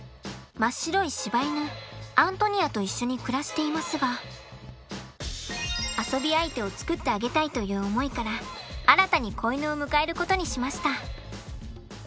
真っ白いしば犬アントニアと一緒に暮らしていますがという思いから新たに子犬を迎えることにしました。